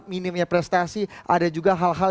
minimnya prestasi ada juga hal hal